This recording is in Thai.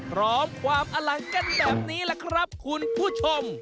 พร้อมความอลังกันแบบนี้แหละครับคุณผู้ชม